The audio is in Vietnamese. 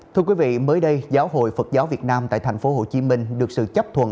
thưa quý vị mới đây giáo hội phật giáo việt nam tại thành phố hồ chí minh được sự chấp thuận